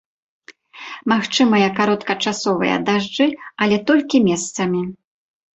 Магчымыя кароткачасовыя дажджы, але толькі месцамі.